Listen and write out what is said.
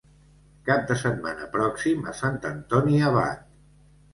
Cap de setmana pròxim a Sant Antoni Abat.